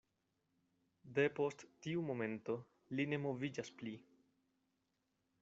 Depost tiu momento, li ne moviĝas pli.